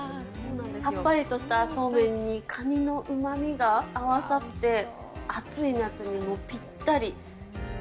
さっぱりとしたそうめんに、かにのうまみが合わさって、暑い夏にもぴったり。